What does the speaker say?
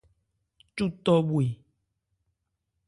Cu tɔ bhwe.